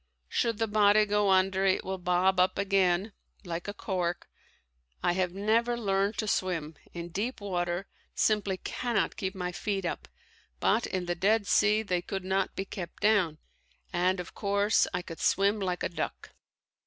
Should the body go under it will bob up again like a cork. I have never learned to swim; in deep water simply cannot keep my feet up, but in the Dead Sea they could not be kept down, and of course I could swim like a duck.